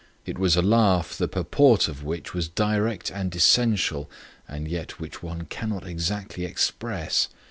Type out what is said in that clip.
It was a laugh, the purport of which was direct and essential, and yet which one cannot exactly express.